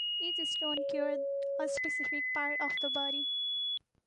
Each stone cured a specific part of the body.